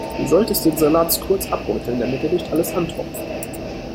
Du solltest den Salat kurz abbeuteln, damit er nicht alles antropft.